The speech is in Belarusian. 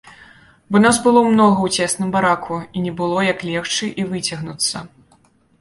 Бо нас было многа ў цесным бараку, і не было як легчы і выцягнуцца.